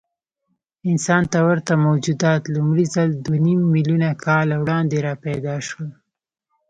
انسان ته ورته موجودات لومړی ځل دوهنیممیلیونه کاله وړاندې راپیدا شول.